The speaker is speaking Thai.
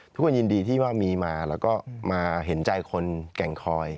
ทุกคนยินดีที่ว่ามีมาแล้วก็มาเห็นใจคนแก่งคอย